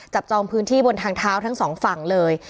จองพื้นที่บนทางเท้าทั้งสองฝั่งเลย